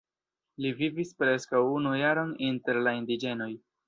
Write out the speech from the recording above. Li vivis preskaŭ unu jaron inter la indiĝenoj.